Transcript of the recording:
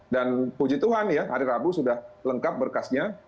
dan puji tuhan ya hari rabu sudah lengkap berkasnya